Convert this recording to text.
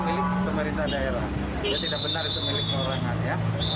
jadi siapa yang mengaku siapa yang terlibat menerbitkan sertifikatnya dan sebagainya ini akan diproses